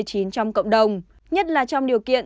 trong cộng đồng nhất là trong điều kiện